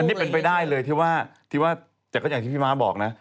นี่เป็นไปได้เลยที่ว่าที่ว่าแต่ก็อย่างที่พี่ม้าบอกนะ